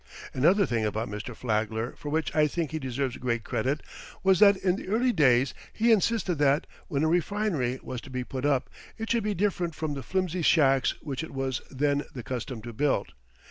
Another thing about Mr. Flagler for which I think he deserves great credit was that in the early days he insisted that, when a refinery was to be put up, it should be different from the flimsy shacks which it was then the custom to build.